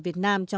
và bây giờ